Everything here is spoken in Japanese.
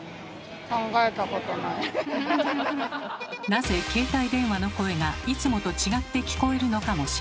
なぜ携帯電話の声がいつもと違って聞こえるのかも知らずに。